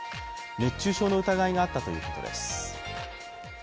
熱中症の疑いがあったということです。